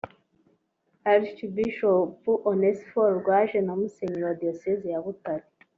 Archbishop Onesphore Rwaje na Musenyeri wa Diyosezi ya Butare